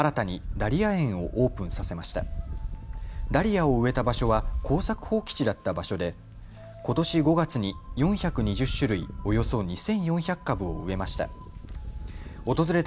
ダリアを植えた場所は耕作放棄地だった場所でことし５月に４２０種類、およそ２４００株を植えました。